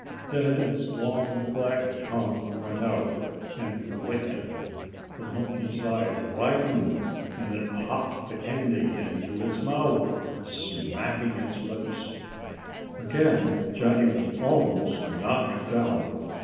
Then its long black tongue went out and licked it. The monkey's eyes widened and it popped the candy into its mouth, smacking its lips. Again Johnny was almost knocked down.